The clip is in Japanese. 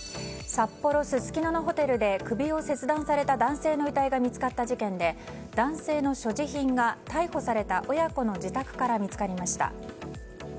札幌・すすきののホテルで首を切断された男性の遺体が見つかった事件で男性の所持品が逮捕された親子の自宅から見つかりました。